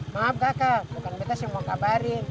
maaf kakak bukan kita semua kabarin